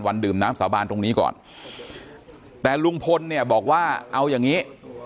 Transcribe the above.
ดื่มน้ำสาบานตรงนี้ก่อนแต่ลุงพลเนี่ยบอกว่าเอาอย่างงี้